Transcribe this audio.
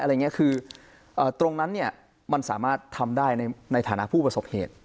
คือตรงนั้นเนี่ยมันสามารถทำได้ในฐานะผู้ประสบเหตุ